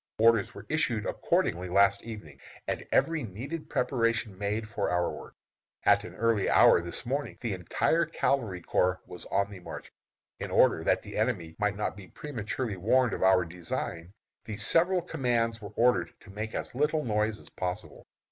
Orders were issued accordingly last evening, and every needed preparation made for our work. At an early hour this morning the entire cavalry corps was on the march. In order that the enemy might not be prematurely warned of our design, the several commands were ordered to make as little noise as possible.